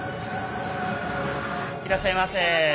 いらっしゃいませ。